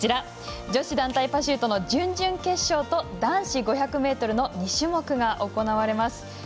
女子団体パシュートの準々決勝と、男子５００ｍの２種目が行われます。